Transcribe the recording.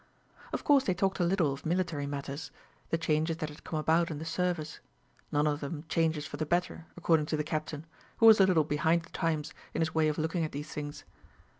Of course they talked a little of military matters, the changes that had come about in the service none of them changes for the better, according to the Captain, who was a little behind the times in his way of looking at these things.